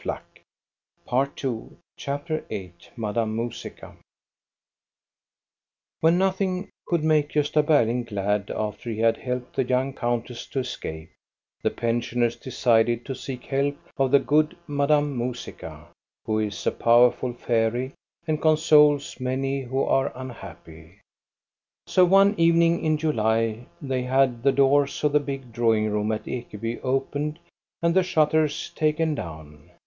MADAME MUSICA 309 CHAPTER VIII MADAME MUSICA When nothing could make Gosta Berling glad, after he had helped the young countess to escape, the pensioners decided to seek help of the good Madame Musica, who is a powerful fairy and consoles many who are unhappy. So one evening in July they had the doors of the big drawing room at Ekeby opened and the shutters taken down.